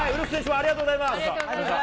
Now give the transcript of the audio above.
ありがとうございます。